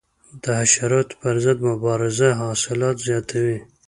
د حشراتو پر ضد مبارزه حاصلات زیاتوي.